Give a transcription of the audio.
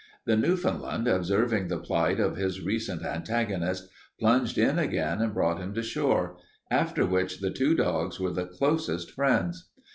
The Newfoundland, observing the plight of his recent antagonist, plunged in again and brought him to shore, after which the two dogs were the closest friends.